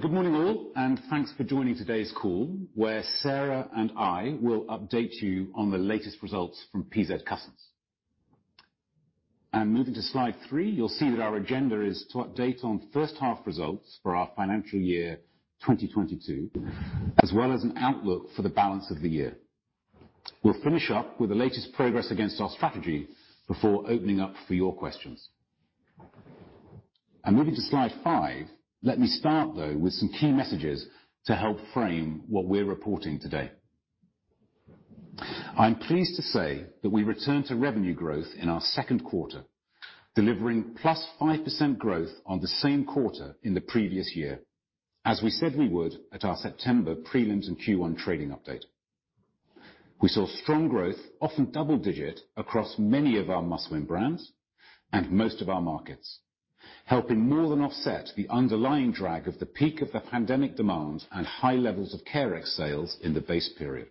Good morning all, and thanks for joining today's call, where Sarah and I will update you on the latest results from PZ Cussons. Moving to slide three, you'll see that our agenda is to update on first half results for our financial year 2022, as well as an outlook for the balance of the year. We'll finish up with the latest progress against our strategy before opening up for your questions. Moving to slide five, let me start though with some key messages to help frame what we're reporting today. I'm pleased to say that we return to revenue growth in our second quarter, delivering +5% growth on the same quarter in the previous year, as we said we would at our September prelims and Q1 trading update. We saw strong growth, often double-digit across many of our Must Win brands and most of our markets, helping more than offset the underlying drag of the peak of the pandemic demand and high levels of Carex sales in the base period.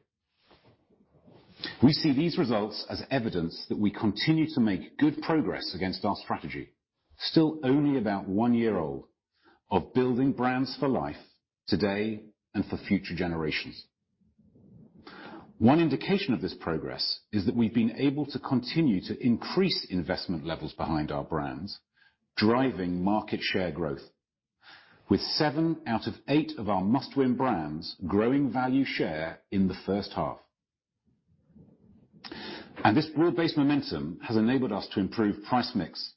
We see these results as evidence that we continue to make good progress against our strategy. Still only about one year old of building brands for life today and for future generations. One indication of this progress is that we've been able to continue to increase investment levels behind our brands, driving market share growth with seven out of eight of our Must Win brands growing value share in the first half. This broad-based momentum has enabled us to improve price mix,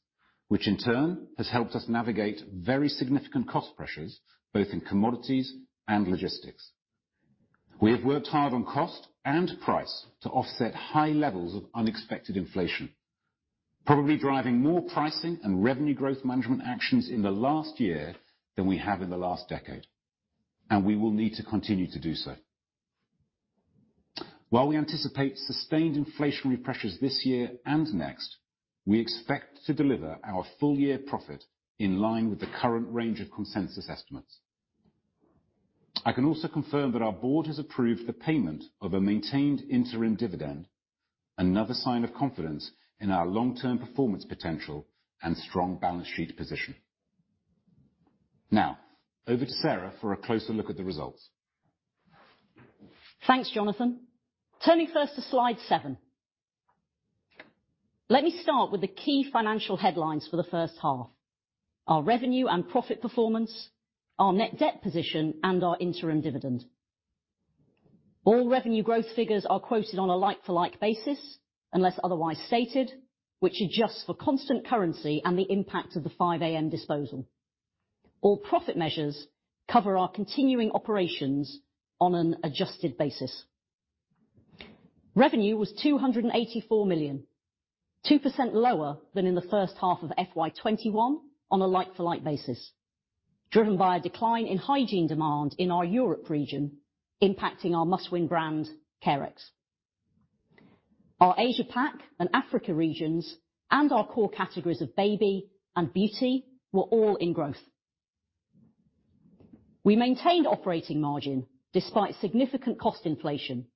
which in turn has helped us navigate very significant cost pressures, both in commodities and logistics. We have worked hard on cost and price to offset high levels of unexpected inflation, probably driving more pricing and revenue growth management actions in the last year than we have in the last decade, and we will need to continue to do so. While we anticipate sustained inflationary pressures this year and next, we expect to deliver our full year profit in line with the current range of consensus estimates. I can also confirm that our board has approved the payment of a maintained interim dividend, another sign of confidence in our long-term performance potential and strong balance sheet position. Now, over to Sarah for a closer look at the results. Thanks, Jonathan. Turning first to slide seven. Let me start with the key financial headlines for the first half. Our revenue and profit performance, our net debt position, and our interim dividend. All revenue growth figures are quoted on a like for like basis, unless otherwise stated, which adjusts for constant currency and the impact of the five:am disposal. All profit measures cover our continuing operations on an adjusted basis. Revenue was 284 million, 2% lower than in the first half of FY 2021 on a like for like basis, driven by a decline in hygiene demand in our Europe region, impacting our Must Win brand, Carex. Our Asia Pac and Africa regions and our core categories of baby and beauty were all in growth. We maintained operating margin despite significant cost inflation,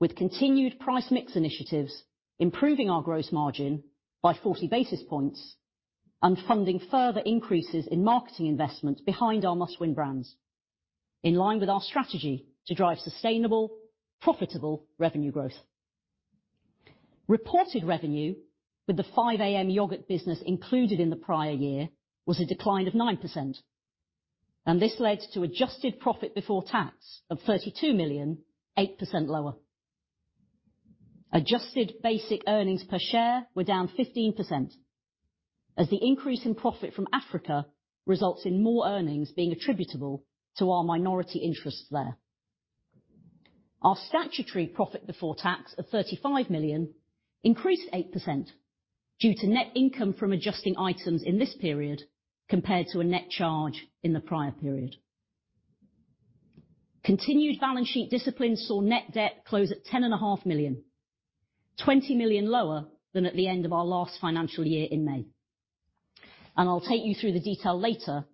with continued price mix initiatives, improving our gross margin by 40 basis points and funding further increases in marketing investment behind our Must Win brands, in line with our strategy to drive sustainable, profitable revenue growth. Reported revenue with the five:am yogurt business included in the prior year was a decline of 9%, and this led to adjusted profit before tax of 32 million, 8% lower. Adjusted basic earnings per share were down 15% as the increase in profit from Africa results in more earnings being attributable to our minority interests there. Our statutory profit before tax of 35 million increased 8% due to net income from adjusting items in this period compared to a net charge in the prior period. Continued balance sheet discipline saw net debt close at 10.5 million, 20 million lower than at the end of our last financial year in May. I'll take you through the detail later,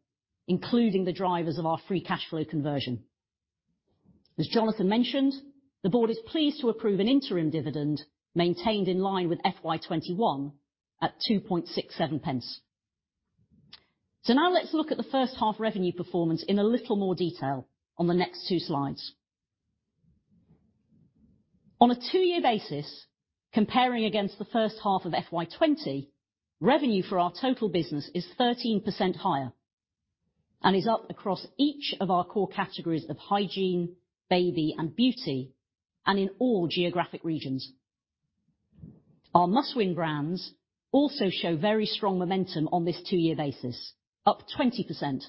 including the drivers of our free cash flow conversion. As Jonathan mentioned, the board is pleased to approve an interim dividend maintained in line with FY 2021 at 2.67 pence. now let's look at the first half revenue performance in a little more detail on the next two slides. On a 2 year basis, comparing against the first half of FY 2020, revenue for our total business is 13% higher and is up across each of our core categories of hygiene, baby and beauty, and in all geographic regions. Our Must Win brands also show very strong momentum on this 2 year basis, up 20%,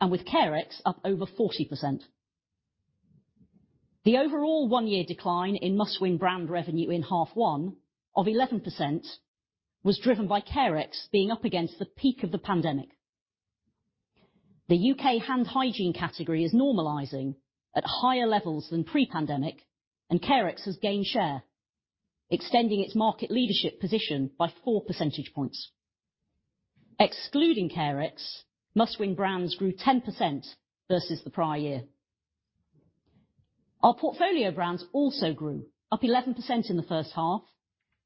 and with Carex up over 40%. The overall one-year decline in Must Win brand revenue in half one of 11% was driven by Carex being up against the peak of the pandemic. The U.K. hand hygiene category is normalizing at higher levels than pre-pandemic, and Carex has gained share, extending its market leadership position by 4% points. Excluding Carex, Must Win brands grew 10% versus the prior year. Our portfolio brands also grew up 11% in the first half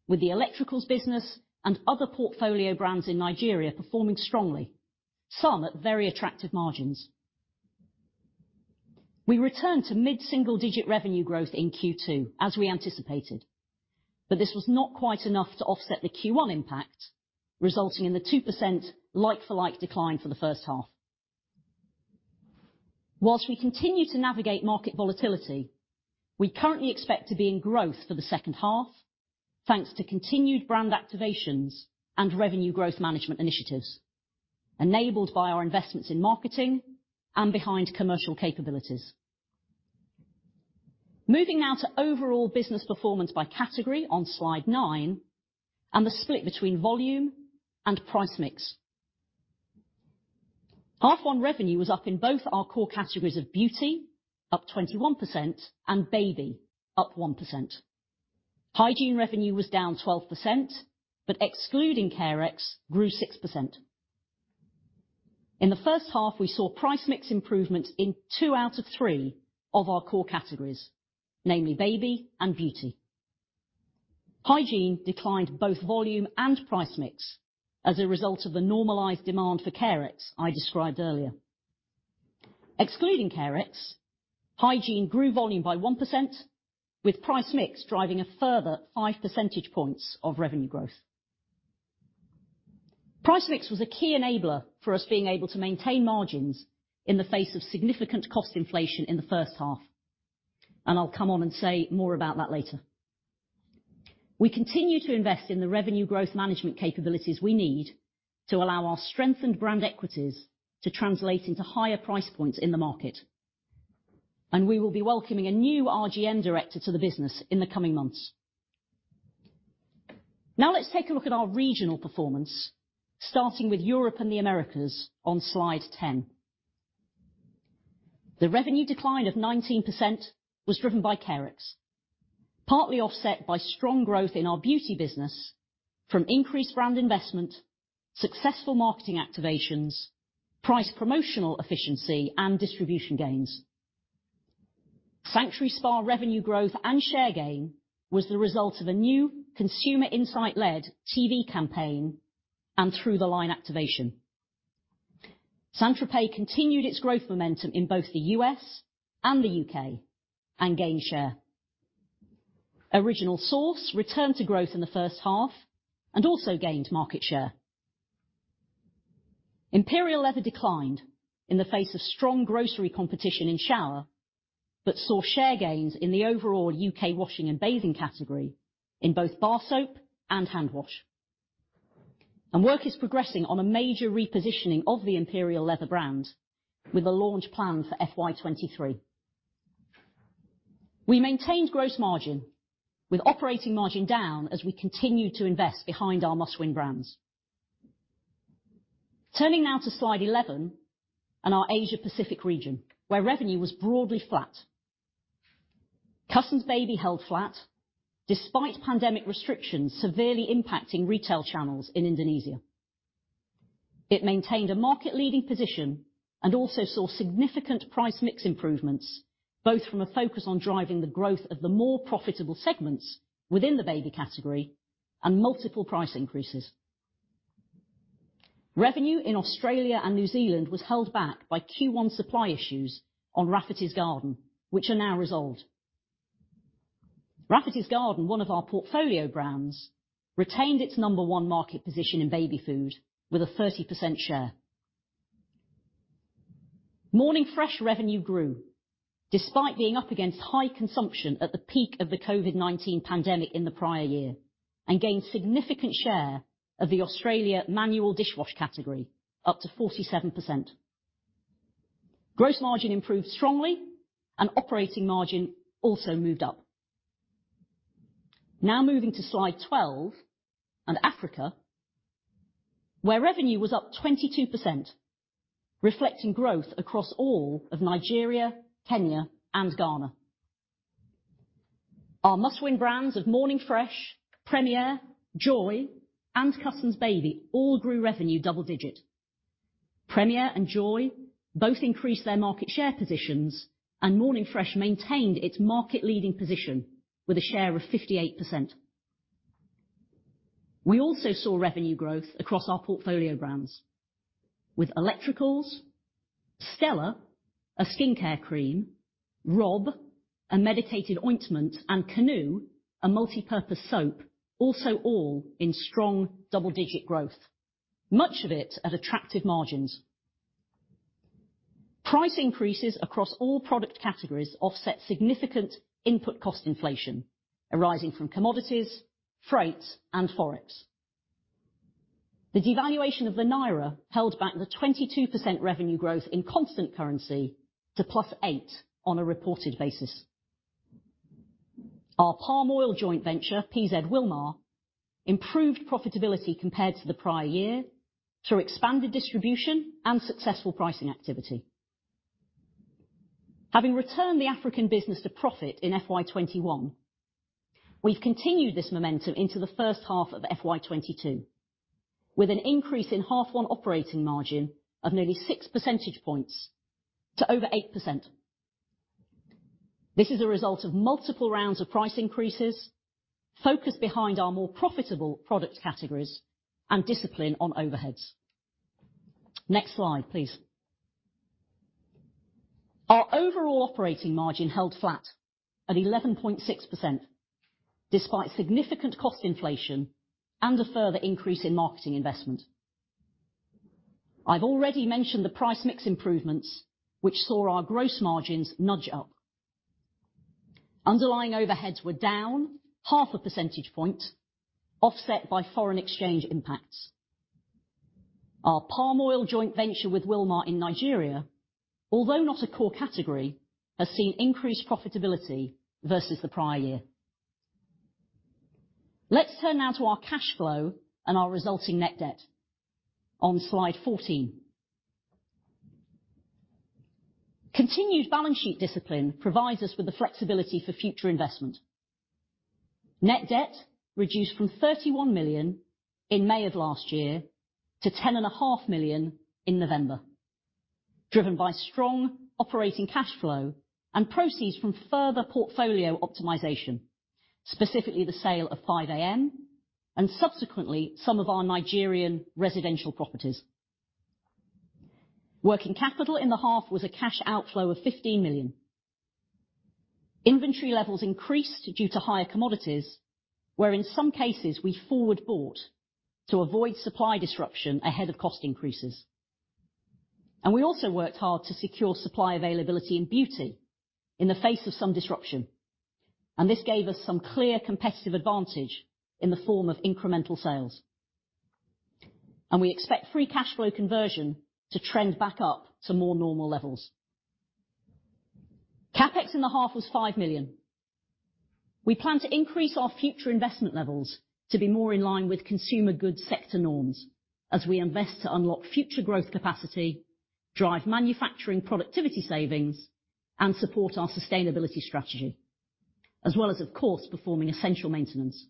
with the Electricals business and other portfolio brands in Nigeria performing strongly, some at very attractive margins. We returned to mid-single digit revenue growth in Q2, as we anticipated, but this was not quite enough to offset the Q1 impact, resulting in the 2% like-for-like decline for the first half. While we continue to navigate market volatility, we currently expect to be in growth for the second half, thanks to continued brand activations and revenue growth management initiatives, enabled by our investments in marketing and behind commercial capabilities. Moving now to overall business performance by category on slide nine, and the split between volume and price mix. First half revenue was up in both our core categories of Beauty, up 21%, and Baby, up 1%. Hygiene revenue was down 12%, but excluding Carex, grew 6%. In the first half, we saw price mix improvements in two out of three of our core categories, namely Baby and Beauty. Hygiene declined both volume and price mix as a result of the normalized demand for Carex I described earlier. Excluding Carex, hygiene grew volume by 1%, with price mix driving a further 5% points of revenue growth. Price mix was a key enabler for us being able to maintain margins in the face of significant cost inflation in the first half, and I'll come on and say more about that later. We continue to invest in the revenue growth management capabilities we need to allow our strengthened brand equities to translate into higher price points in the market, and we will be welcoming a new RGM director to the business in the coming months. Now let's take a look at our regional performance, starting with Europe and the Americas on slide 10. The revenue decline of 19% was driven by Carex, partly offset by strong growth in our beauty business from increased brand investment, successful marketing activations, price promotional efficiency, and distribution gains. Sanctuary Spa revenue growth and share gain was the result of a new consumer insight-led TV campaign and through-the-line activation. St. Tropez continued its growth momentum in both the U.S. and the U.K. and gained share. Original Source returned to growth in the first half and also gained market share. Imperial Leather declined in the face of strong grocery competition in shower, but saw share gains in the overall U.K. washing and bathing category in both bar soap and hand wash. Work is progressing on a major repositioning of the Imperial Leather brand with a launch plan for FY 2023. We maintained gross margin with operating margin down as we continued to invest behind our Must Win brands. Turning now to slide 11 and our Asia Pacific region where revenue was broadly flat. Cussons Baby held flat despite pandemic restrictions severely impacting retail channels in Indonesia. It maintained a market-leading position and also saw significant price mix improvements, both from a focus on driving the growth of the more profitable segments within the baby category and multiple price increases. Revenue in Australia and New Zealand was held back by Q1 supply issues on Rafferty's Garden, which are now resolved. Rafferty's Garden, one of our portfolio brands, retained its number one market position in baby food with a 30% share. Morning Fresh revenue grew despite being up against high consumption at the peak of the COVID-19 pandemic in the prior year and gained significant share of the Australian manual dishwash category up to 47%. Gross margin improved strongly and operating margin also moved up. Now moving to slide 12 and Africa, where revenue was up 22%, reflecting growth across all of Nigeria, Kenya and Ghana. Our must-win brands of Morning Fresh, Premier, Joy and Cussons Baby all grew revenue double-digit. Premier and Joy both increased their market share positions, and Morning Fresh maintained its market-leading position with a share of 58%. We also saw revenue growth across our portfolio brands with Electricals, Stella, a skincare cream, Robb, a medicated ointment, and Canoe, a multipurpose soap, also all in strong double-digit growth, much of it at attractive margins. Price increases across all product categories offset significant input cost inflation arising from commodities, freights, and Forex. The devaluation of the Naira held back the 22% revenue growth in constant currency to +8% on a reported basis. Our palm oil joint venture, PZ Wilmar, improved profitability compared to the prior year through expanded distribution and successful pricing activity. Having returned the African business to profit in FY 2021, we've continued this momentum into the first half of FY 2022, with an increase in H1 operating margin of nearly 6% points to over 8%. This is a result of multiple rounds of price increases, focus behind our more profitable product categories, and discipline on overheads. Next slide, please. Our overall operating margin held flat at 11.6% despite significant cost inflation and a further increase in marketing investment. I've already mentioned the price mix improvements which saw our gross margins nudge up. Underlying overheads were down half a percentage point, offset by foreign exchange impacts. Our palm oil joint venture with Wilmar in Nigeria, although not a core category, has seen increased profitability versus the prior year. Let's turn now to our cash flow and our resulting net debt on slide 14. Continued balance sheet discipline provides us with the flexibility for future investment. Net debt reduced from 31 million in May of last year to 10.5 million in November, driven by strong operating cash flow and proceeds from further portfolio optimization, specifically the sale of five:am and subsequently some of our Nigerian residential properties. Working capital in the half was a cash outflow of 15 million. Inventory levels increased due to higher commodities, where in some cases we forward bought to avoid supply disruption ahead of cost increases. We also worked hard to secure supply availability in beauty in the face of some disruption, and this gave us some clear competitive advantage in the form of incremental sales. We expect free cash flow conversion to trend back up to more normal levels. CapEx in the half was 5 million. We plan to increase our future investment levels to be more in line with consumer goods sector norms as we invest to unlock future growth capacity, drive manufacturing productivity savings, and support our sustainability strategy, as well as of course, performing essential maintenance.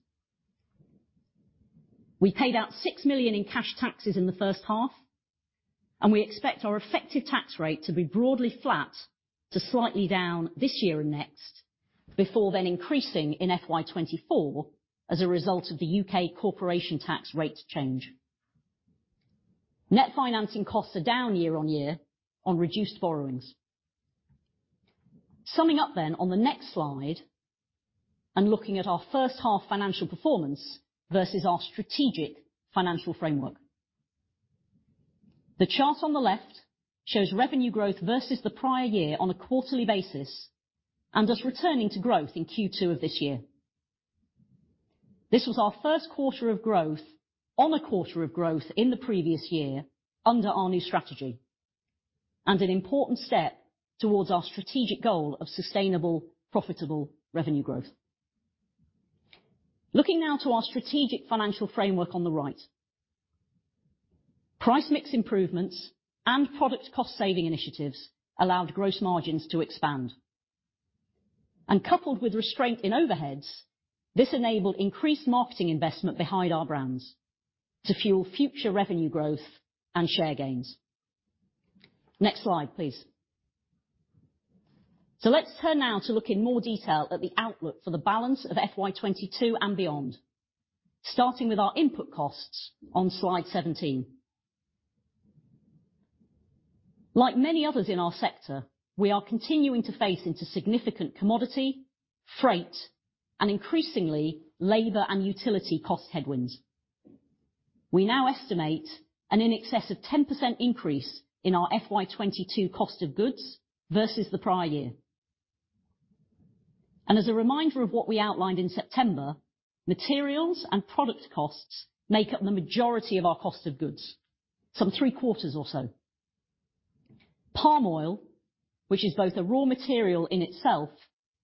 We paid out 6 million in cash taxes in the first half, and we expect our effective tax rate to be broadly flat to slightly down this year and next, before then increasing in FY 2024 as a result of the U.K. corporation tax rate change. Net financing costs are down year-over-year on reduced borrowings. Summing up on the next slide, and looking at our first half financial performance versus our strategic financial framework, the chart on the left shows revenue growth versus the prior year on a quarterly basis and is returning to growth in Q2 of this year. This was our first quarter of growth on a quarter of growth in the previous year under our new strategy and an important step towards our strategic goal of sustainable, profitable revenue growth. Looking now to our strategic financial framework on the right. Price mix improvements and product cost-saving initiatives allowed gross margins to expand. Coupled with restraint in overheads, this enabled increased marketing investment behind our brands to fuel future revenue growth and share gains. Next slide, please. Let's turn now to look in more detail at the outlook for the balance of FY 2022 and beyond. Starting with our input costs on slide 17. Like many others in our sector, we are continuing to face into significant commodity, freight, and increasingly labor and utility cost headwinds. We now estimate in excess of 10% increase in our FY 2022 cost of goods versus the prior year. As a reminder of what we outlined in September, materials and product costs make up the majority of our cost of goods, some three-quarters or so. Palm oil, which is both a raw material in itself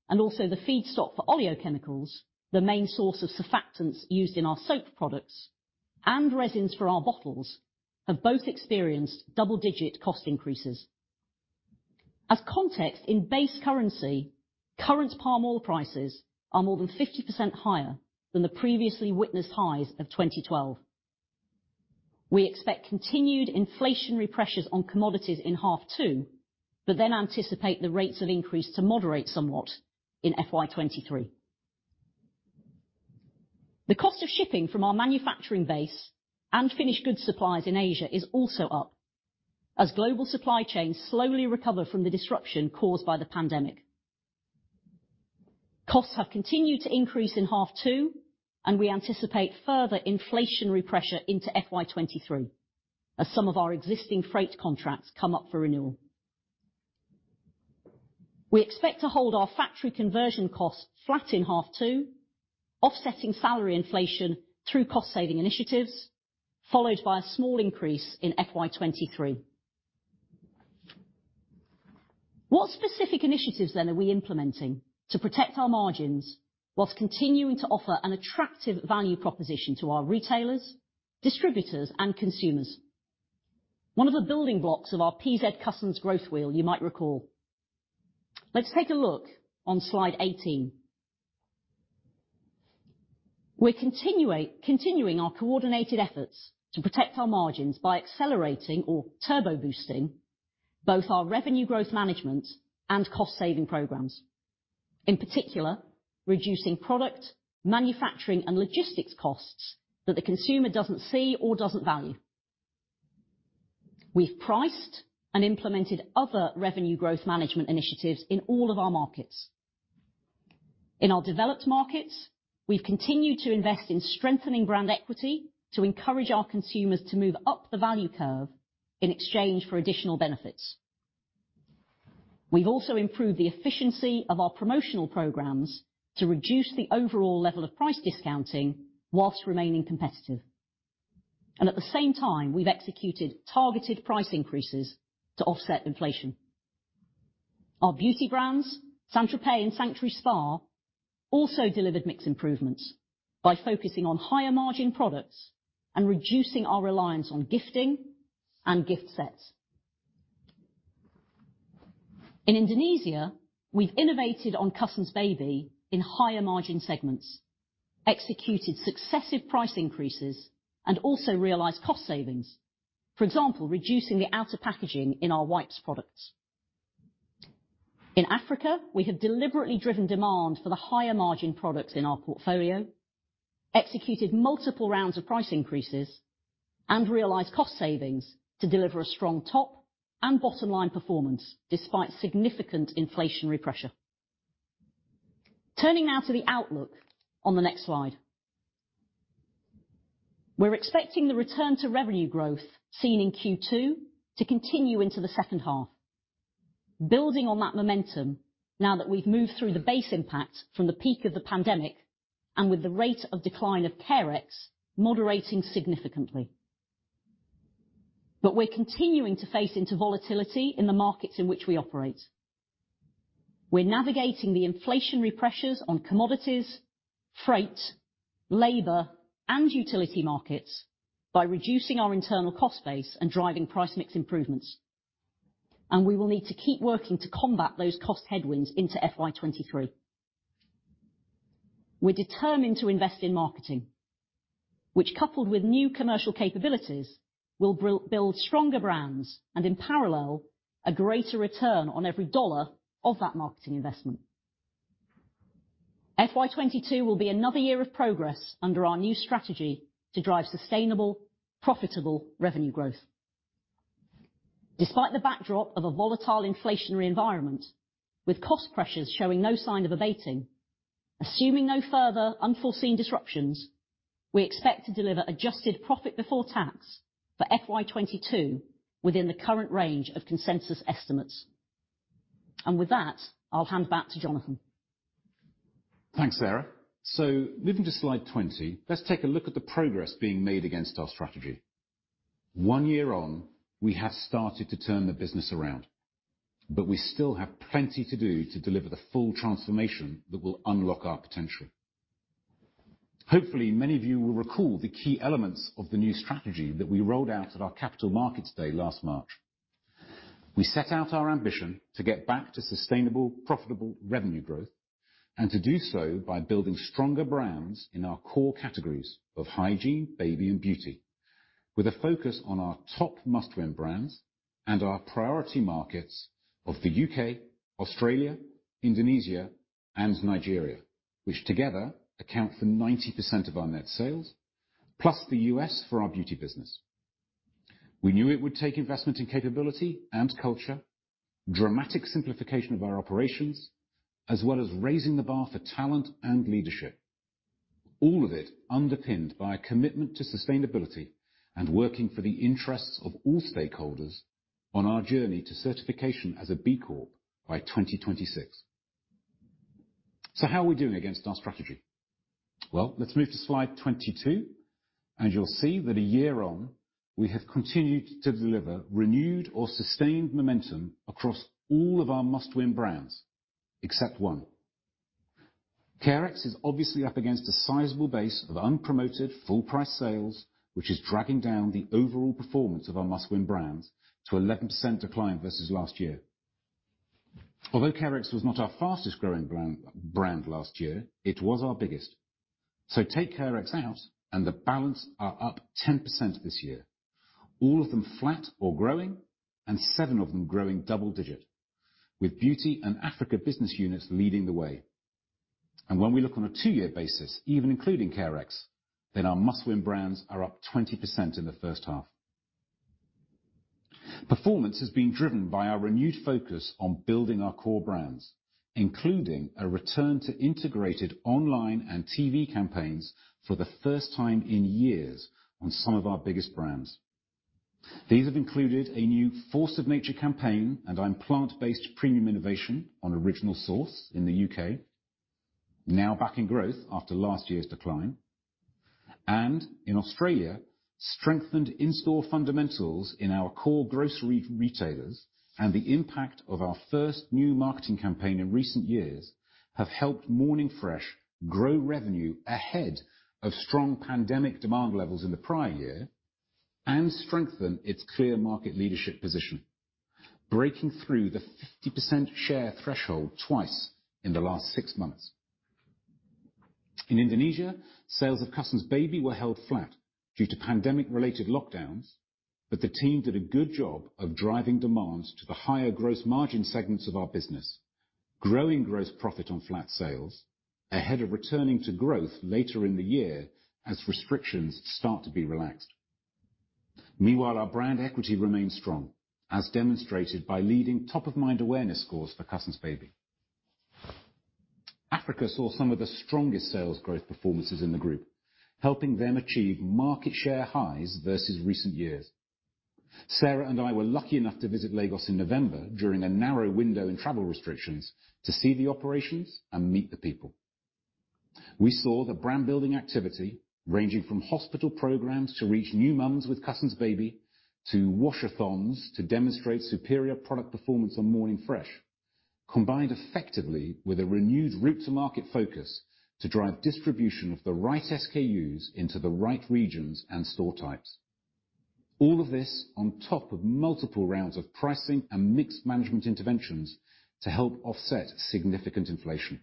and also the feedstock for oleochemicals, the main source of surfactants used in our soap products and resins for our bottles, have both experienced double-digit cost increases. As context, in base currency, current palm oil prices are more than 50% higher than the previously witnessed highs of 2012. We expect continued inflationary pressures on commodities in half two, but then anticipate the rates of increase to moderate somewhat in FY 2023. The cost of shipping from our manufacturing base and finished goods suppliers in Asia is also up as global supply chains slowly recover from the disruption caused by the pandemic. Costs have continued to increase in half two, and we anticipate further inflationary pressure into FY 2023 as some of our existing freight contracts come up for renewal. We expect to hold our factory conversion costs flat in half two, offsetting salary inflation through cost-saving initiatives, followed by a small increase in FY 2023. What specific initiatives then are we implementing to protect our margins while continuing to offer an attractive value proposition to our retailers, distributors, and consumers? One of the building blocks of our PZ Cussons growth wheel, you might recall. Let's take a look on slide 18. We're continuing our coordinated efforts to protect our margins by accelerating or turbo boosting both our revenue growth management and cost saving programs, in particular reducing product manufacturing and logistics costs that the consumer doesn't see or doesn't value. We've priced and implemented other revenue growth management initiatives in all of our markets. In our developed markets, we've continued to invest in strengthening brand equity to encourage our consumers to move up the value curve in exchange for additional benefits. We've also improved the efficiency of our promotional programs to reduce the overall level of price discounting while remaining competitive. At the same time, we've executed targeted price increases to offset inflation. Our beauty brands, St. Tropez and Sanctuary Spa, also delivered mixed improvements by focusing on higher margin products and reducing our reliance on gifting and gift sets. In Indonesia, we've innovated on Cussons Baby in higher margin segments, executed successive price increases, and also realized cost savings. For example, reducing the outer packaging in our wipes products. In Africa, we have deliberately driven demand for the higher margin products in our portfolio, executed multiple rounds of price increases and realized cost savings to deliver a strong top and bottom line performance despite significant inflationary pressure. Turning now to the outlook on the next slide. We're expecting the return to revenue growth seen in Q2 to continue into the second half. Building on that momentum, now that we've moved through the base impact from the peak of the pandemic and with the rate of decline of Carex moderating significantly. We're continuing to face into volatility in the markets in which we operate. We're navigating the inflationary pressures on commodities, freight, labor, and utility markets by reducing our internal cost base and driving price mix improvements. We will need to keep working to combat those cost headwinds into FY 2023. We're determined to invest in marketing, which coupled with new commercial capabilities, will build stronger brands and in parallel, a greater return on every dollar of that marketing investment. FY 2022 will be another year of progress under our new strategy to drive sustainable, profitable revenue growth. Despite the backdrop of a volatile inflationary environment with cost pressures showing no sign of abating, assuming no further unforeseen disruptions, we expect to deliver adjusted profit before tax for FY 2022 within the current range of consensus estimates. With that, I'll hand back to Jonathan. Thanks, Sarah. Moving to slide 20, let's take a look at the progress being made against our strategy. One year on, we have started to turn the business around, but we still have plenty to do to deliver the full transformation that will unlock our potential. Hopefully, many of you will recall the key elements of the new strategy that we rolled out at our capital markets day last March. We set out our ambition to get back to sustainable, profitable revenue growth, and to do so by building stronger brands in our core categories of hygiene, baby, and beauty, with a focus on our top must-win brands and our priority markets of the U.K., Australia, Indonesia, and Nigeria, which together account for 90% of our net sales, plus the U.S. for our beauty business. We knew it would take investment in capability and culture, dramatic simplification of our operations, as well as raising the bar for talent and leadership, all of it underpinned by a commitment to sustainability and working for the interests of all stakeholders on our journey to certification as a B Corp by 2026. How are we doing against our strategy? Well, let's move to slide 22, and you'll see that a year on, we have continued to deliver renewed or sustained momentum across all of our must-win brands, except one. Carex is obviously up against a sizable base of unpromoted full price sales, which is dragging down the overall performance of our must-win brands to 11% decline versus last year. Although Carex was not our fastest growing brand last year, it was our biggest. Take Carex out and the balance are up 10% this year, all of them flat or growing, and seven of them growing double-digit, with Beauty and Africa business units leading the way. When we look on a 2 year basis, even including Carex, then our must-win brands are up 20% in the first half. Performance has been driven by our renewed focus on building our core brands, including a return to integrated online and TV campaigns for the first time in years on some of our biggest brands. These have included a new Force of Nature campaign and a plant-based premium innovation on Original Source in the UK, now back in growth after last year's decline. In Australia, strengthened in-store fundamentals in our core grocery retailers and the impact of our first new marketing campaign in recent years have helped Morning Fresh grow revenue ahead of strong pandemic demand levels in the prior year and strengthen its clear market leadership position, breaking through the 50% share threshold twice in the last six months. In Indonesia, sales of Cussons Baby were held flat due to pandemic-related lockdowns, but the team did a good job of driving demand to the higher gross margin segments of our business, growing gross profit on flat sales ahead of returning to growth later in the year as restrictions start to be relaxed. Meanwhile, our brand equity remains strong, as demonstrated by leading top-of-mind awareness scores for Cussons Baby. Africa saw some of the strongest sales growth performances in the group, helping them achieve market share highs versus recent years. Sarah and I were lucky enough to visit Lagos in November during a narrow window in travel restrictions to see the operations and meet the people. We saw the brand-building activity ranging from hospital programs to reach new moms with Cussons Baby to wash-a-thons to demonstrate superior product performance on Morning Fresh, combined effectively with a renewed route-to-market focus to drive distribution of the right SKUs into the right regions and store types. All of this on top of multiple rounds of pricing and mixed management interventions to help offset significant inflation.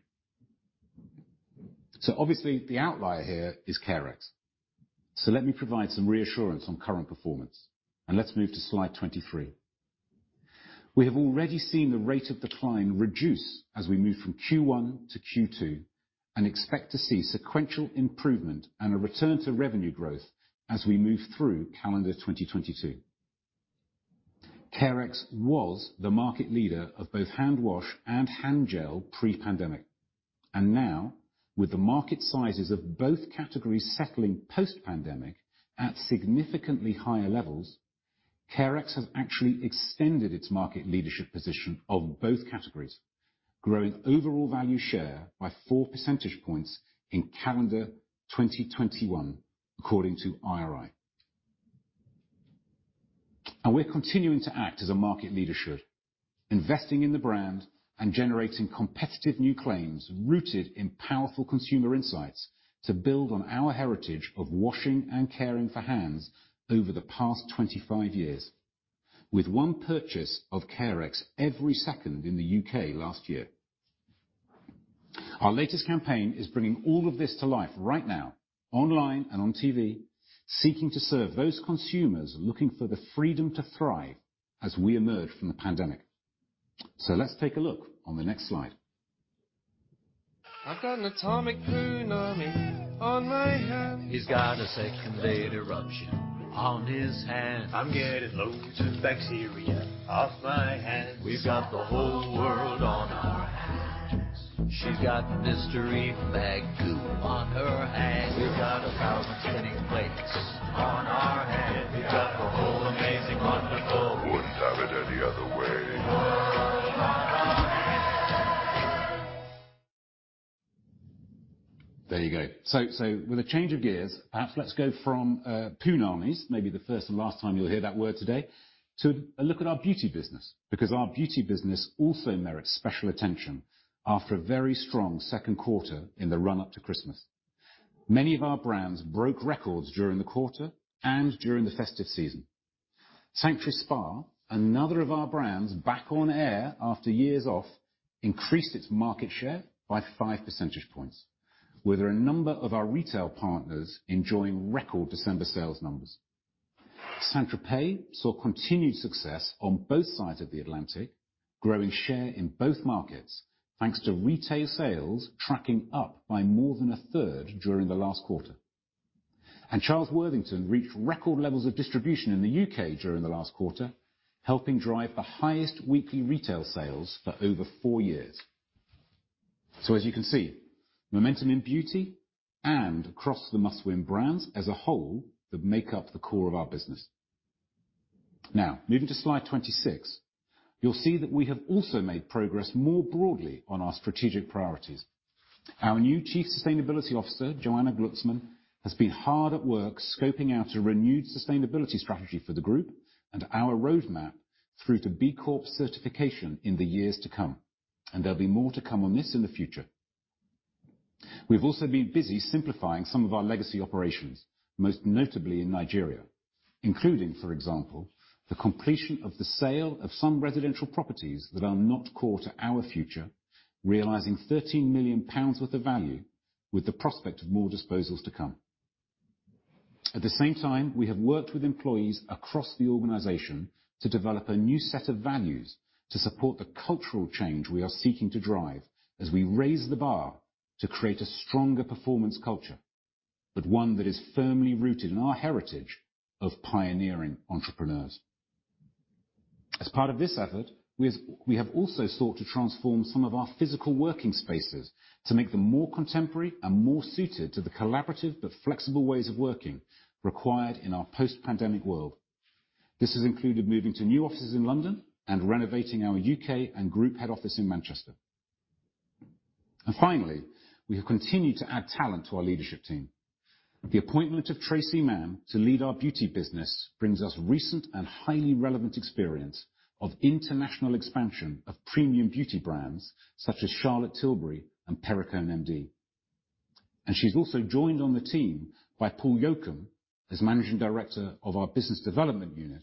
Obviously the outlier here is Carex. Let me provide some reassurance on current performance, and let's move to slide 23. We have already seen the rate of decline reduce as we move from Q1 to Q2, and expect to see sequential improvement and a return to revenue growth as we move through calendar 2022. Carex was the market leader of both hand wash and hand gel pre-pandemic. Now, with the market sizes of both categories settling post-pandemic at significantly higher levels, Carex has actually extended its market leadership position of both categories, growing overall value share by 4 percentage points in calendar 2021 according to IRI. We're continuing to act as a market leader should, investing in the brand and generating competitive new claims rooted in powerful consumer insights to build on our heritage of washing and caring for hands over the past 25 years, with one purchase of Carex every second in the U.K. last year. Our latest campaign is bringing all of this to life right now, online and on TV, seeking to serve those consumers looking for the freedom to thrive as we emerge from the pandemic. Let's take a look on the next slide. I've got an atomic punami on my hands. He's got a second date eruption on his hands. I'm getting loads of bacteria off my hands. We've got the whole world on our hands. She's got mystery vag goo on her hands. We've got 1,000 spinning plates on our hands. We've got the whole amazing wonderful. Wouldn't have it any other way. World on our hands. There you go. With a change of gears, perhaps let's go from punamis, maybe the first and last time you'll hear that word today, to a look at our beauty business, because our beauty business also merits special attention after a very strong second quarter in the run-up to Christmas. Many of our brands broke records during the quarter and during the festive season. Sanctuary Spa, another of our brands back on air after years off, increased its market share by 5 percentage points, with a number of our retail partners enjoying record December sales numbers. St. Tropez saw continued success on both sides of the Atlantic, growing share in both markets, thanks to retail sales tracking up by more than a third during the last quarter. Charles Worthington reached record levels of distribution in the U.K. during the last quarter, helping drive the highest weekly retail sales for over 4 years. As you can see, momentum in beauty and across the Must Win Brands as a whole that make up the core of our business. Moving to slide 26, you'll see that we have also made progress more broadly on our strategic priorities. Our new Chief Sustainability Officer, Joanna Gluzman, has been hard at work scoping out a renewed sustainability strategy for the group and our roadmap through to B Corp certification in the years to come, and there'll be more to come on this in the future. We've also been busy simplifying some of our legacy operations, most notably in Nigeria, including, for example, the completion of the sale of some residential properties that are not core to our future, realizing 13 million pounds worth of value with the prospect of more disposals to come. At the same time, we have worked with employees across the organization to develop a new set of values to support the cultural change we are seeking to drive as we raise the bar to create a stronger performance culture, but one that is firmly rooted in our heritage of pioneering entrepreneurs. As part of this effort, we have also sought to transform some of our physical working spaces to make them more contemporary and more suited to the collaborative but flexible ways of working required in our post-pandemic world. This has included moving to new offices in London and renovating our UK and group head office in Manchester. Finally, we have continued to add talent to our leadership team. The appointment of Tracey Mann to lead our beauty business brings us recent and highly relevant experience of international expansion of premium beauty brands such as Charlotte Tilbury and Perricone MD. She's also joined on the team by Paul Yocum as Managing Director of our Business Development unit.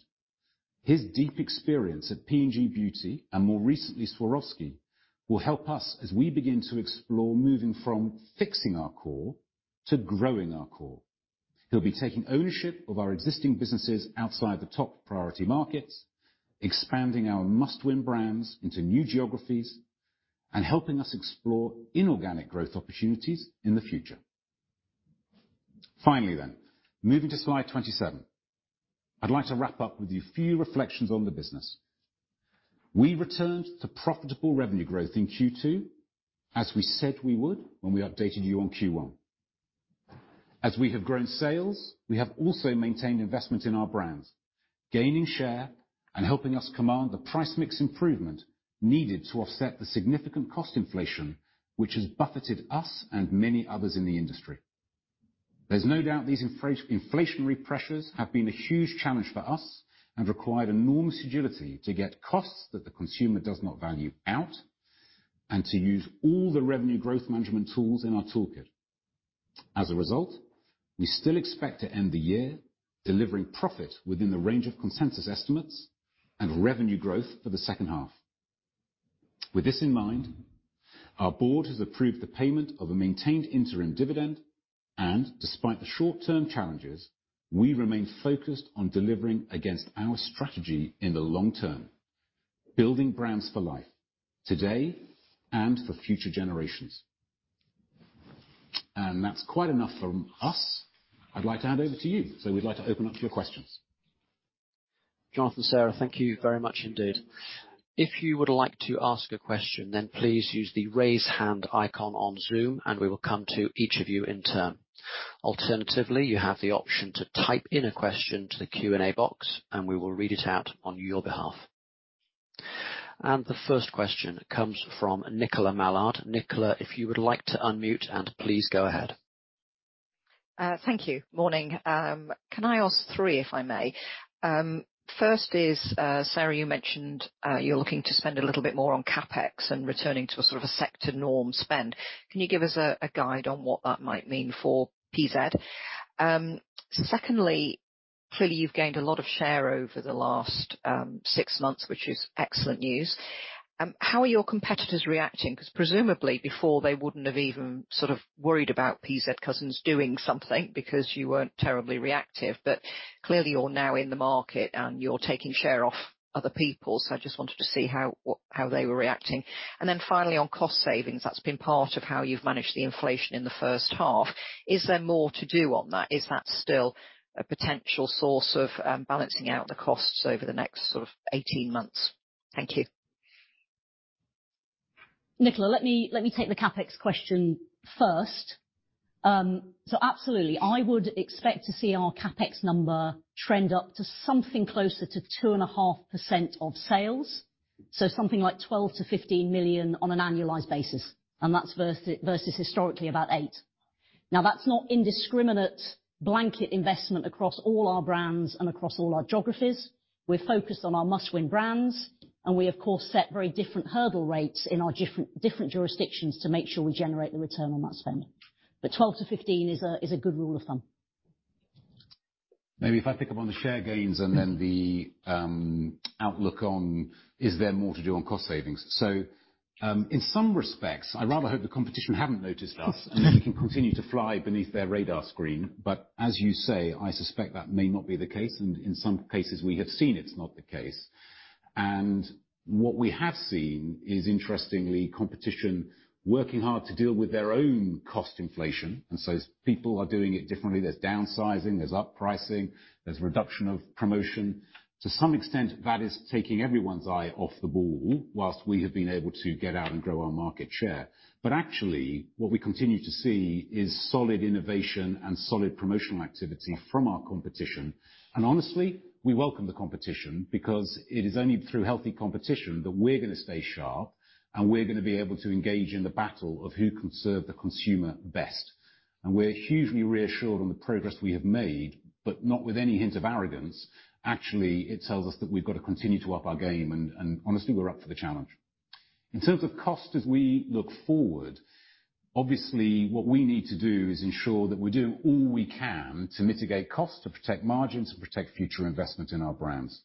His deep experience at P&G Beauty, and more recently, Swarovski, will help us as we begin to explore moving from fixing our core to growing our core. He'll be taking ownership of our existing businesses outside the top priority markets, expanding our must-win brands into new geographies, and helping us explore inorganic growth opportunities in the future. Finally, moving to slide 27, I'd like to wrap up with a few reflections on the business. We returned to profitable revenue growth in Q2, as we said we would when we updated you on Q1. As we have grown sales, we have also maintained investment in our brands, gaining share and helping us command the price mix improvement needed to offset the significant cost inflation which has buffeted us and many others in the industry. There's no doubt these inflationary pressures have been a huge challenge for us and required enormous agility to get costs that the consumer does not value out and to use all the revenue growth management tools in our toolkit. As a result, we still expect to end the year delivering profit within the range of consensus estimates and revenue growth for the second half. With this in mind, our board has approved the payment of a maintained interim dividend, and despite the short-term challenges, we remain focused on delivering against our strategy in the long term, building brands for life today and for future generations. That's quite enough from us. I'd like to hand over to you. We'd like to open up to your questions. Jonathan, Sarah, thank you very much indeed. If you would like to ask a question, then please use the raise hand icon on Zoom, and we will come to each of you in turn. Alternatively, you have the option to type in a question to the Q&A box, and we will read it out on your behalf. The first question comes from Nicola Mallard. Nicola, if you would like to unmute and please go ahead. Thank you. Morning. Can I ask three, if I may? First is, Sarah, you mentioned, you're looking to spend a little bit more on CapEx and returning to a sort of a sector norm spend. Can you give us a guide on what that might mean for PZ? Secondly, clearly you've gained a lot of share over the last 6 months, which is excellent news. How are your competitors reacting? Because presumably before they wouldn't have even sort of worried about PZ Cussons doing something because you weren't terribly reactive. Clearly you're now in the market and you're taking share off other people. I just wanted to see how they were reacting. Finally, on cost savings, that's been part of how you've managed the inflation in the first half. Is there more to do on that? Is that still a potential source of, balancing out the costs over the next sort of 18 months? Thank you. Nicola, let me take the CapEx question first. Absolutely. I would expect to see our CapEx number trend up to something closer to 2.5% of sales. Something like 12 million-15 million on an annualized basis, and that's versus historically about 8%. Now, that's not indiscriminate blanket investment across all our brands and across all our geographies. We're focused on our must-win brands, and we of course set very different hurdle rates in our different jurisdictions to make sure we generate the return on that spending. 12 million-15 million is a good rule of thumb. Maybe if I pick up on the share gains and then the outlook on is there more to do on cost savings. In some respects, I rather hope the competition haven't noticed us and we can continue to fly beneath their radar screen. As you say, I suspect that may not be the case, and in some cases, we have seen it's not the case. What we have seen is, interestingly, competition working hard to deal with their own cost inflation, and so people are doing it differently. There's downsizing, there's up pricing, there's reduction of promotion. To some extent, that is taking everyone's eye off the ball while we have been able to get out and grow our market share. Actually what we continue to see is solid innovation and solid promotional activity from our competition. Honestly, we welcome the competition because it is only through healthy competition that we're gonna stay sharp and we're gonna be able to engage in the battle of who can serve the consumer best. We're hugely reassured on the progress we have made, but not with any hint of arrogance. Actually, it tells us that we've got to continue to up our game, and honestly, we're up for the challenge. In terms of cost as we look forward, obviously what we need to do is ensure that we're doing all we can to mitigate costs, to protect margins, to protect future investment in our brands.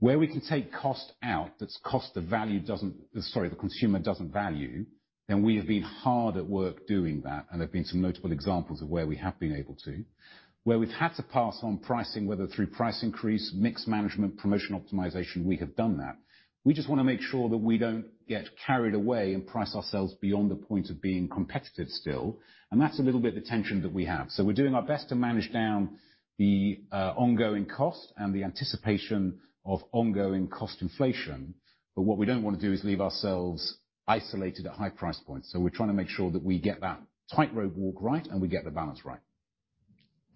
Where we can take cost out, that's cost the consumer doesn't value, then we have been hard at work doing that, and there have been some notable examples of where we have been able to. Where we've had to pass on pricing, whether through price increase, mix management, promotion optimization, we have done that. We just wanna make sure that we don't get carried away and price ourselves beyond the point of being competitive still. That's a little bit the tension that we have. We're doing our best to manage down the ongoing cost and the anticipation of ongoing cost inflation. What we don't wanna do is leave ourselves isolated at high price points. We're trying to make sure that we get that tightrope walk right and we get the balance right.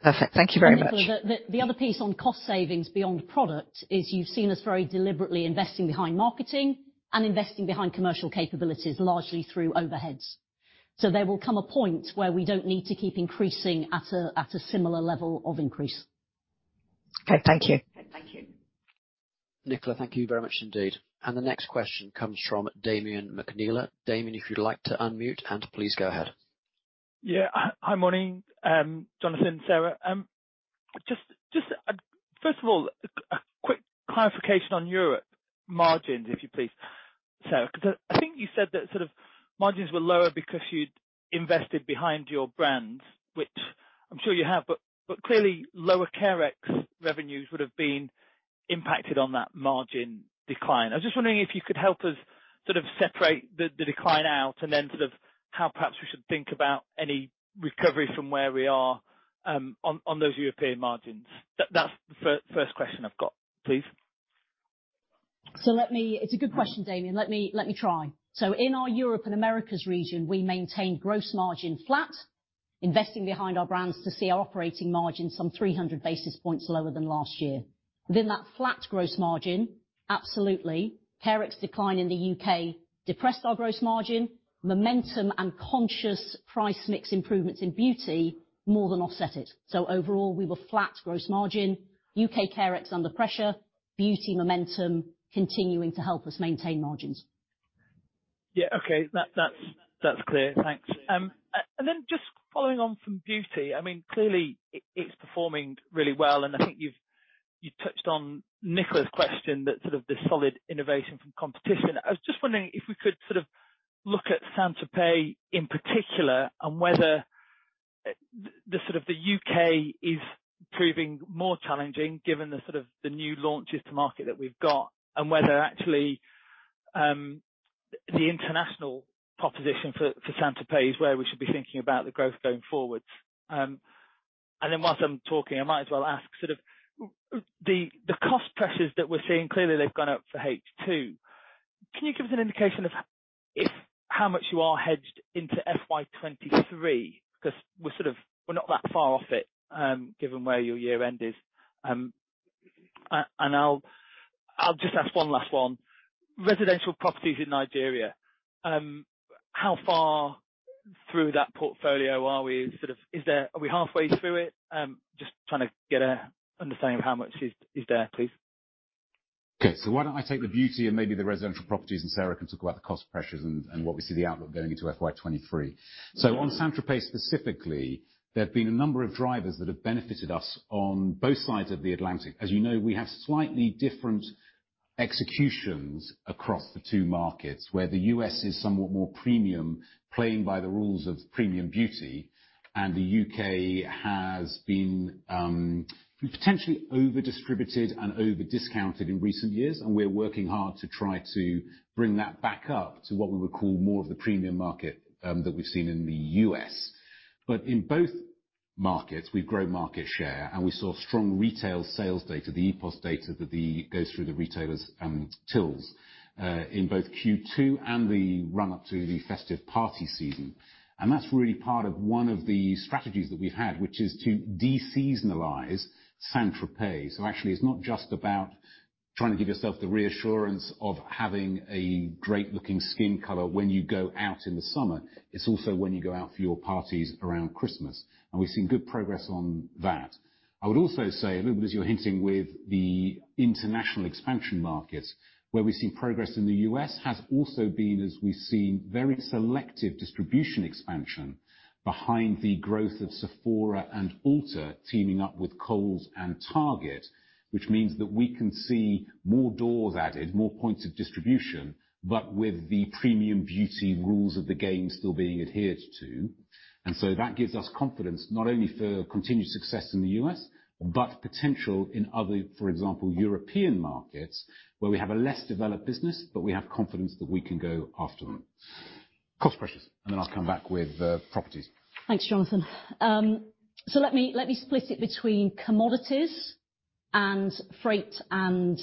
Perfect. Thank you very much. Nicola, the other piece on cost savings beyond product is you've seen us very deliberately investing behind marketing and investing behind commercial capabilities, largely through overheads. There will come a point where we don't need to keep increasing at a similar level of increase. Okay. Thank you. Thank you. Nicola, thank you very much indeed. The next question comes from Damian McNeela. Damian, if you'd like to unmute and please go ahead. Hi, morning, Jonathan, Sarah. Just first of all, a quick clarification on European margins, if you please. Because I think you said that sort of margins were lower because you'd invested behind your brands, which I'm sure you have, but clearly, lower Carex revenues would have been impacted on that margin decline. I was just wondering if you could help us sort of separate the decline out and then sort of how perhaps we should think about any recovery from where we are on those European margins. That's the first question I've got, please. It's a good question, Damian. Let me try. In our Europe and Americas region, we maintained gross margin flat, investing behind our brands to see our operating margin some 300 basis points lower than last year. Within that flat gross margin, absolutely, Carex decline in the U.K. depressed our gross margin. Momentum and conscious price mix improvements in beauty more than offset it. Overall, we were flat gross margin, U.K. Carex under pressure, beauty momentum continuing to help us maintain margins. Yeah, okay. That's clear. Thanks. Just following on from beauty, I mean, clearly it's performing really well, and I think you touched on Nicola's question that sort of the solid innovation from competition. I was just wondering if we could sort of look at St. Tropez in particular and whether the U.K. is proving more challenging given the sort of new launches to market that we've got, and whether actually the international proposition for St. Tropez is where we should be thinking about the growth going forward. While I'm talking, I might as well ask sort of the cost pressures that we're seeing. Clearly they've gone up for H2. Can you give us an indication of how much you are hedged into FY 2023? Because we're sort of, we're not that far off it, given where your year end is. I'll just ask one last one. Residential properties in Nigeria, how far through that portfolio are we? Sort of, are we halfway through it? Just trying to get an understanding of how much is there, please. Okay, why don't I take the beauty and maybe the residential properties, and Sarah can talk about the cost pressures and what we see the outlook going into FY 2023. Mm-hmm. On St. Tropez specifically, there have been a number of drivers that have benefited us on both sides of the Atlantic. As you know, we have slightly different executions across the two markets, where the U.S. is somewhat more premium, playing by the rules of premium beauty, and the U.K. has been potentially over-distributed and over-discounted in recent years, and we're working hard to try to bring that back up to what we would call more of the premium market that we've seen in the U.S. In both markets, we grow market share, and we saw strong retail sales data, the ePOS data that goes through the retailers' tills in both Q2 and the run up to the festive party season. That's really part of one of the strategies that we've had, which is to de-seasonalize St. Tropez. Actually, it's not just about trying to give yourself the reassurance of having a great-looking skin color when you go out in the summer, it's also when you go out for your parties around Christmas, and we've seen good progress on that. I would also say, a little bit as you're hinting with the international expansion markets, where we've seen progress in the U.S. has also been, as we've seen, very selective distribution expansion behind the growth of Sephora and Ulta teaming up with Kohl's and Target, which means that we can see more doors added, more points of distribution, but with the premium beauty rules of the game still being adhered to. That gives us confidence not only for continued success in the U.S., but potential in other, for example, European markets where we have a less developed business, but we have confidence that we can go after them. Cost pressures, and then I'll come back with properties. Thanks, Jonathan. Let me split it between commodities and freight and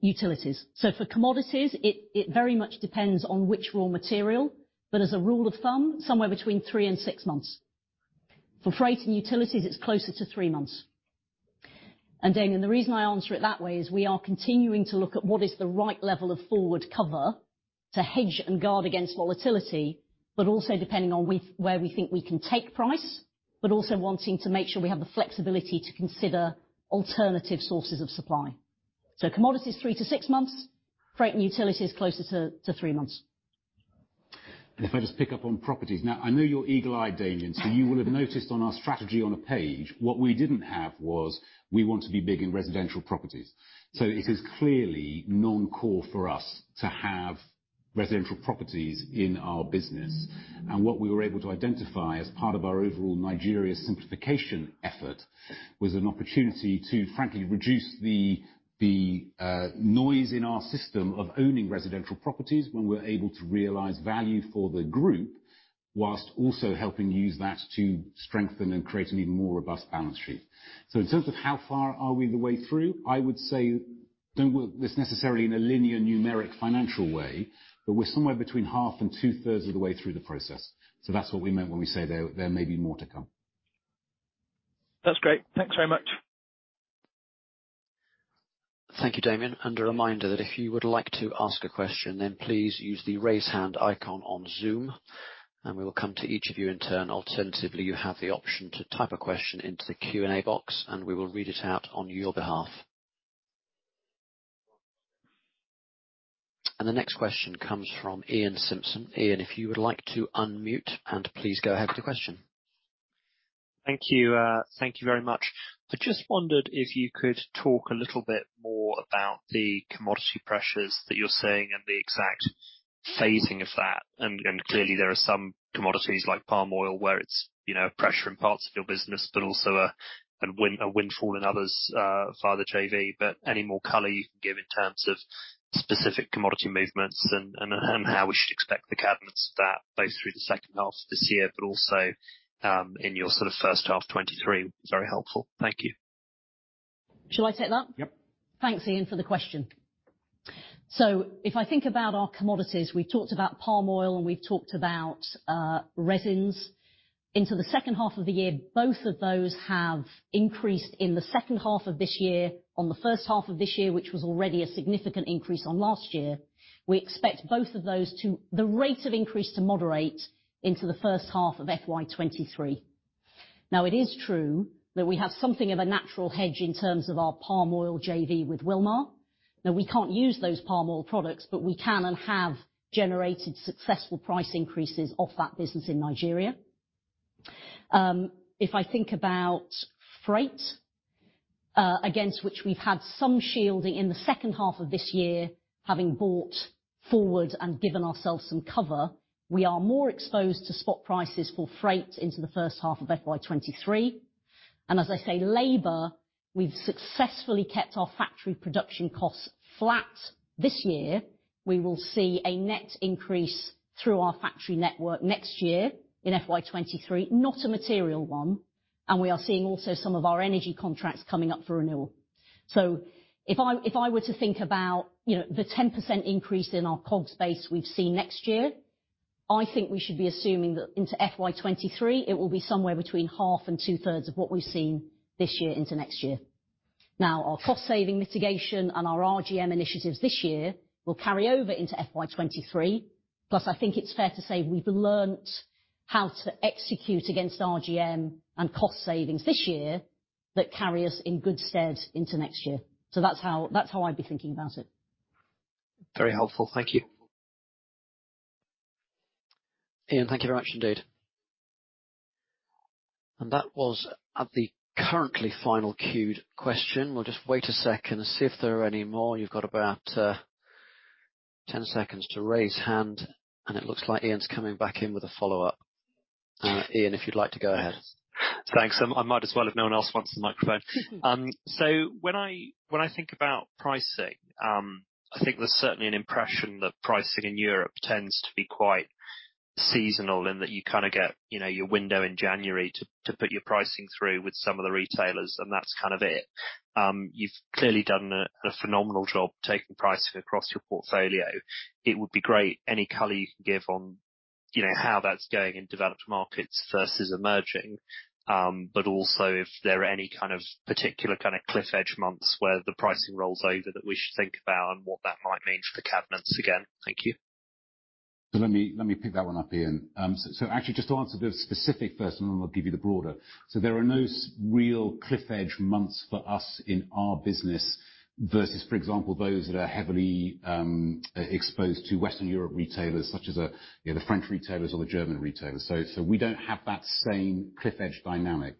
utilities. For commodities, it very much depends on which raw material, but as a rule of thumb, somewhere between 3 and 6 months. For freight and utilities, it's closer to 3 months. Damian, the reason I answer it that way is we are continuing to look at what is the right level of forward cover to hedge and guard against volatility, but also depending on where we think we can take price, but also wanting to make sure we have the flexibility to consider alternative sources of supply. Commodities, 3 to 6 months. Freight and utilities, closer to 3 months. If I just pick up on properties. Now, I know you're eagle-eyed, Damian, so you will have noticed on our strategy on a page, what we didn't have was we want to be big in residential properties. It is clearly non-core for us to have residential properties in our business. What we were able to identify as part of our overall Nigeria simplification effort was an opportunity to frankly reduce the noise in our system of owning residential properties when we're able to realize value for the group, while also helping use that to strengthen and create an even more robust balance sheet. In terms of how far are we the way through, I would say don't want this necessarily in a linear numeric financial way, but we're somewhere between half and two-thirds of the way through the process. That's what we meant when we say there may be more to come. That's great. Thanks very much. Thank you, Damian. A reminder that if you would like to ask a question, then please use the raise hand icon on Zoom. We will come to each of you in turn. Alternatively, you have the option to type a question into the Q&A box, and we will read it out on your behalf. The next question comes from Ian Simpson. Ian, if you would like to unmute and please go ahead with your question. Thank you very much. I just wondered if you could talk a little bit more about the commodity pressures that you're seeing and the exact phasing of that. Clearly, there are some commodities like palm oil where it's, you know, pressure in parts of your business but also a windfall in others, via the JV. Any more color you can give in terms of specific commodity movements and how we should expect the cadence of that both through the second half of this year, but also in your sort of first half 2023. Very helpful. Thank you. Shall I take that? Yep. Thanks, Ian, for the question. If I think about our commodities, we talked about palm oil and we've talked about resins. Into the second half of the year, both of those have increased in the second half of this year on the first half of this year, which was already a significant increase on last year. We expect both of those, the rate of increase, to moderate into the first half of FY 2023. Now it is true that we have something of a natural hedge in terms of our palm oil JV with Wilmar. Now we can't use those palm oil products, but we can and have generated successful price increases off that business in Nigeria. If I think about freight, against which we've had some shielding in the second half of this year, having bought forward and given ourselves some cover, we are more exposed to spot prices for freight into the first half of FY 2023. As I say, labor, we've successfully kept our factory production costs flat this year. We will see a net increase through our factory network next year in FY 2023, not a material one, and we are seeing also some of our energy contracts coming up for renewal. If I were to think about, you know, the 10% increase in our COGS base we've seen next year, I think we should be assuming that into FY 2023 it will be somewhere between half and two-thirds of what we've seen this year into next year. Now, our cost-saving mitigation and our RGM initiatives this year will carry over into FY 2023. Plus, I think it's fair to say we've learned how to execute against RGM and cost savings this year that carry us in good stead into next year. That's how I'd be thinking about it. Very helpful. Thank you. Ian, thank you very much indeed. That was the currently final queued question. We'll just wait a second and see if there are any more. You've got about 10 seconds to raise hand, and it looks like Ian's coming back in with a follow-up. Ian, if you'd like to go ahead. Thanks. I might as well if no one else wants the microphone. When I think about pricing, I think there's certainly an impression that pricing in Europe tends to be quite seasonal and that you kinda get, you know, your window in January to put your pricing through with some of the retailers, and that's kind of it. You've clearly done a phenomenal job taking pricing across your portfolio. It would be great any color you can give on, you know, how that's going in developed markets versus emerging. Also if there are any kind of particular kinda cliff edge months where the pricing rolls over that we should think about and what that might mean for the cadence again. Thank you. Let me pick that one up, Ian. Actually just to answer the specific first and then I'll give you the broader. There are no real cliff edge months for us in our business versus, for example, those that are heavily exposed to Western Europe retailers such as the French retailers or the German retailers. We don't have that same cliff edge dynamic.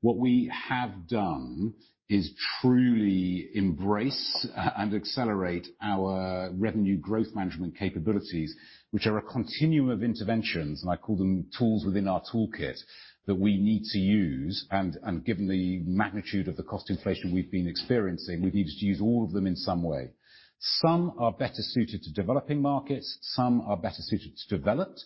What we have done is truly embrace and accelerate our revenue growth management capabilities, which are a continuum of interventions, and I call them tools within our toolkit that we need to use. Given the magnitude of the cost inflation we've been experiencing, we've needed to use all of them in some way. Some are better suited to developing markets, some are better suited to developed.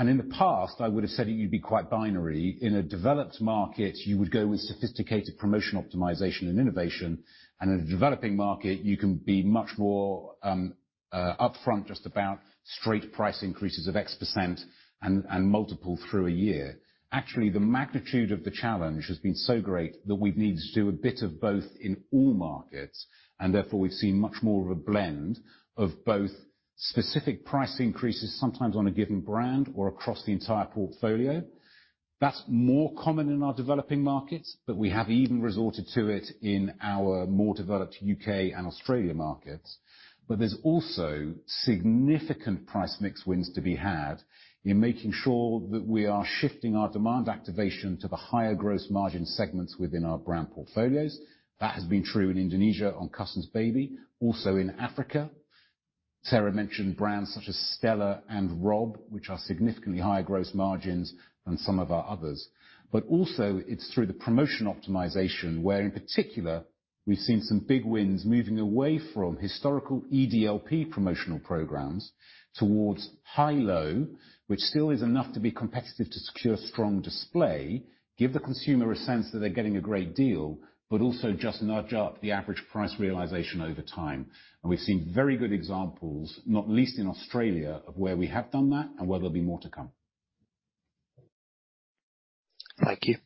In the past, I would have said it would be quite binary. In a developed market, you would go with sophisticated promotional optimization and innovation. In a developing market you can be much more upfront just about straight price increases of X% and multiple through a year. Actually, the magnitude of the challenge has been so great that we've needed to do a bit of both in all markets, and therefore we've seen much more of a blend of both specific price increases, sometimes on a given brand or across the entire portfolio. That's more common in our developing markets, but we have even resorted to it in our more developed UK and Australia markets. There's also significant price mix wins to be had in making sure that we are shifting our demand activation to the higher gross margin segments within our brand portfolios. That has been true in Indonesia on Cussons Baby, also in Africa. Sarah mentioned brands such as Stella and Robb, which are significantly higher gross margins than some of our others. But also it's through the promotion optimization where in particular we've seen some big wins moving away from historical EDLP promotional programs towards high-low, which still is enough to be competitive to secure strong display, give the consumer a sense that they're getting a great deal, but also just nudge up the average price realization over time. We've seen very good examples, not least in Australia, of where we have done that and where there'll be more to come. Thank you.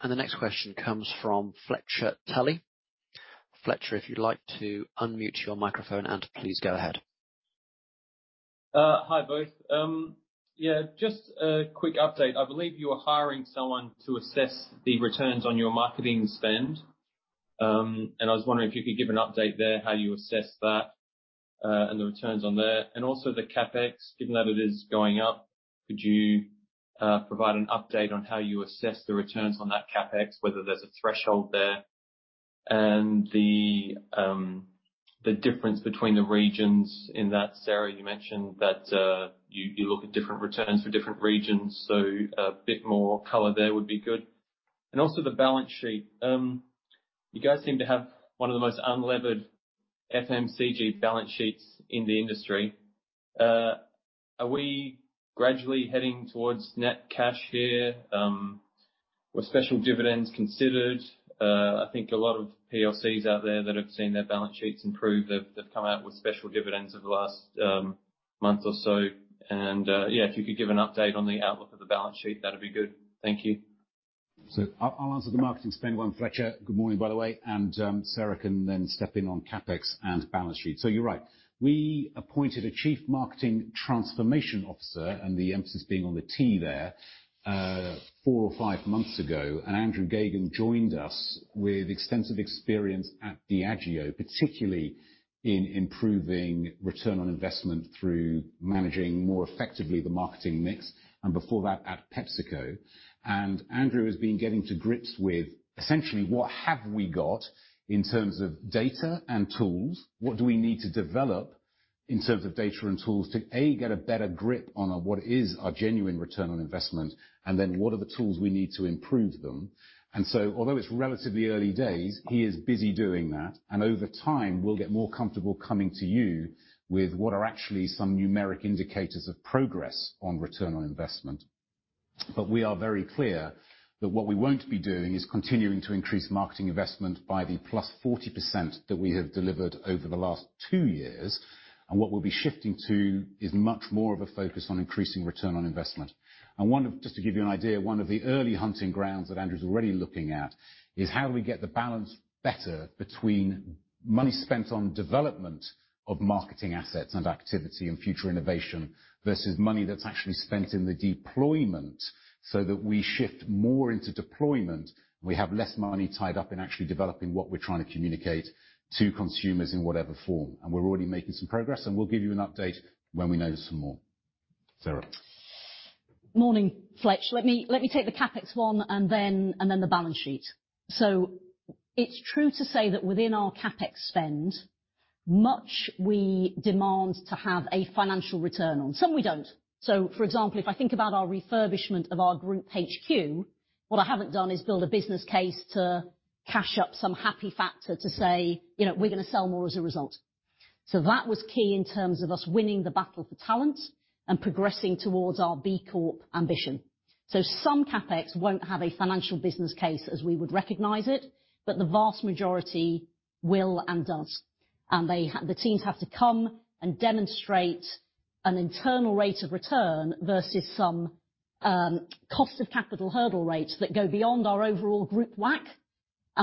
Thank you. The next question comes from Fletcher Tully. Fletcher, if you'd like to unmute your microphone and please go ahead. Hi, both. Yeah, just a quick update. I believe you are hiring someone to assess the returns on your marketing spend. I was wondering if you could give an update there, how you assess that, and the returns on there, and also the CapEx, given that it is going up, could you provide an update on how you assess the returns on that CapEx, whether there's a threshold there and the difference between the regions in that? Sarah, you mentioned that you look at different returns for different regions, so a bit more color there would be good. Also the balance sheet. You guys seem to have one of the most unlevered FMCG balance sheets in the industry. Are we gradually heading towards net cash here? With special dividends considered? I think a lot of PLCs out there that have seen their balance sheets improve, they've come out with special dividends over the last month or so. Yeah, if you could give an update on the outlook of the balance sheet, that'd be good. Thank you. I'll answer the marketing spend one, Fletcher. Good morning, by the way. Sarah can then step in on CapEx and balance sheet. You're right. We appointed a Chief Marketing Transformation Officer, and the emphasis being on the T there, four or five months ago. Andrew Geoghegan joined us with extensive experience at Diageo, particularly in improving return on investment through managing more effectively the marketing mix, and before that, at PepsiCo. Andrew has been getting to grips with essentially what have we got in terms of data and tools, what do we need to develop in terms of data and tools to, A, get a better grip on what is our genuine return on investment, and then what are the tools we need to improve them. Although it's relatively early days, he is busy doing that. Over time, we'll get more comfortable coming to you with what are actually some numeric indicators of progress on return on investment. But we are very clear that what we won't be doing is continuing to increase marketing investment by the +40% that we have delivered over the last 2 years. What we'll be shifting to is much more of a focus on increasing return on investment. Just to give you an idea, one of the early hunting grounds that Andrew is already looking at is how do we get the balance better between money spent on development of marketing assets and activity and future innovation versus money that's actually spent in the deployment, so that we shift more into deployment, we have less money tied up in actually developing what we're trying to communicate to consumers in whatever form. We're already making some progress, and we'll give you an update when we know some more. Sarah. Morning, Fletch. Let me take the CapEx one and then the balance sheet. It's true to say that within our CapEx spend, much of which we demand to have a financial return on. Some we don't. For example, if I think about our refurbishment of our group HQ, what I haven't done is build a business case to cash up some happy factor to say, you know, we're gonna sell more as a result. That was key in terms of us winning the battle for talent and progressing towards our B Corp ambition. Some CapEx won't have a financial business case as we would recognize it, but the vast majority will and does. The teams have to come and demonstrate an internal rate of return versus some cost of capital hurdle rates that go beyond our overall group WACC.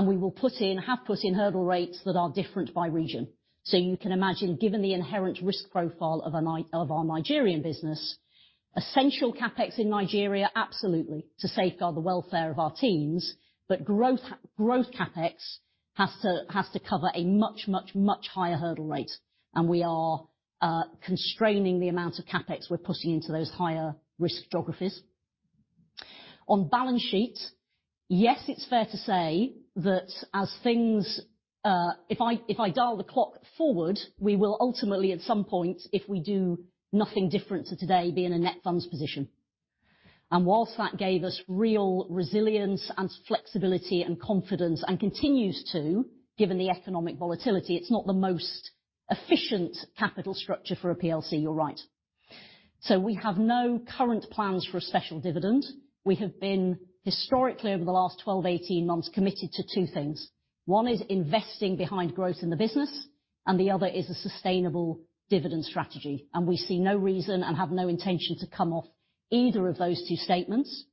We will put in, have put in hurdle rates that are different by region. You can imagine, given the inherent risk profile of our Nigerian business, essential CapEx in Nigeria, absolutely, to safeguard the welfare of our teams, but growth CapEx has to cover a much higher hurdle rate. We are constraining the amount of CapEx we're putting into those higher risk geographies. On balance sheet, yes, it's fair to say that as things. If I dial the clock forward, we will ultimately, at some point, if we do nothing different to today, be in a net funds position. While that gave us real resilience and flexibility and confidence, and continues to, given the economic volatility, it's not the most efficient capital structure for a PLC, you're right. We have no current plans for a special dividend. We have been historically, over the last 12, 18 months, committed to two things. One is investing behind growth in the business, and the other is a sustainable dividend strategy. We see no reason and have no intention to come off either of those two statements.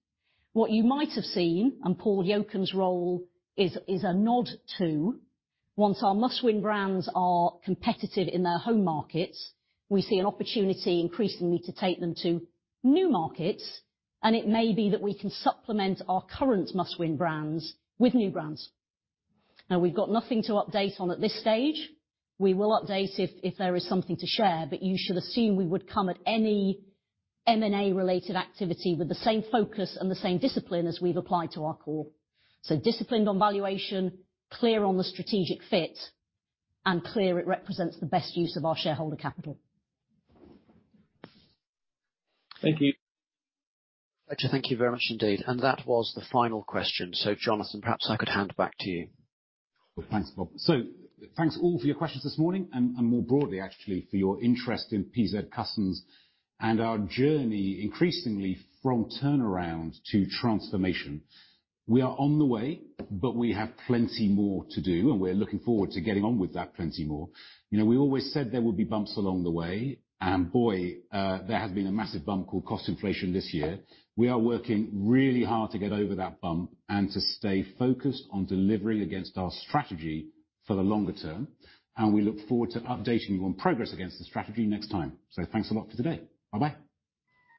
What you might have seen, and Paul Yocum's role is a nod to, once our must-win brands are competitive in their home markets, we see an opportunity increasingly to take them to new markets, and it may be that we can supplement our current must-win brands with new brands. Now, we've got nothing to update on at this stage. We will update if there is something to share, but you should assume we would come at any M&A related activity with the same focus and the same discipline as we've applied to our core. Disciplined on valuation, clear on the strategic fit, and clear it represents the best use of our shareholder capital. Thank you. Fletcher, thank you very much indeed. That was the final question. Jonathan, perhaps I could hand back to you. Thanks, Bob. Thanks all for your questions this morning, and more broadly, actually, for your interest in PZ Cussons and our journey increasingly from turnaround to transformation. We are on the way, but we have plenty more to do, and we're looking forward to getting on with that plenty more. You know, we always said there would be bumps along the way, and boy, there has been a massive bump called cost inflation this year. We are working really hard to get over that bump and to stay focused on delivering against our strategy for the longer term, and we look forward to updating you on progress against the strategy next time. Thanks a lot for today. Bye-bye.